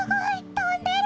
とんでる！